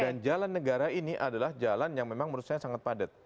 dan jalan negara ini adalah jalan yang memang menurut saya sangat padat